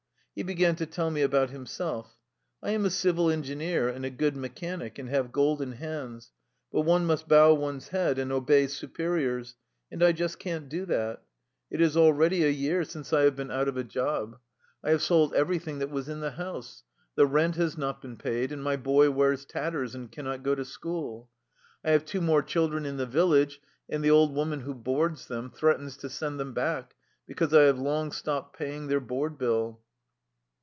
He began to tell me about him self: " I am a civil engineer and a good mechanic, and have ' golden hands,' but one must bow one's head and obey superiors, and I just can't do that. It is already a year since I have been out 218 THE LIFE STOKY OF A EUSSIAN EXILE of a job. I have sold everything there was in the house. The rent has not been paid, and my boy wears tatters and cannot go to school. I have two more children in the village, and the old woman who boards them threatens to send them back because I have long stopped paying their board bill."